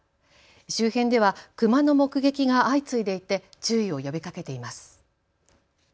周辺ではクマの目撃が相次いでいて注意を呼びかけています。